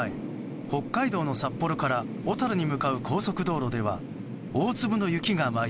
北海道の札幌から小樽に向かう高速道路では大粒の雪が舞い